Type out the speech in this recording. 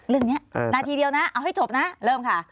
เรื่องนี้นาทีเดียวนะเอาให้จบนะเริ่มค่ะ